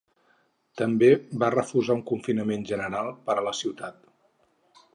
També va refusar un confinament general per a la ciutat.